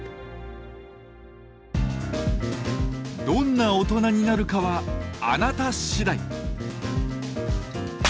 「どんな大人になるかはあなた次第」。